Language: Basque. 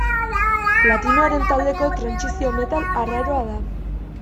Platinoaren taldeko trantsizio-metal arraroa da.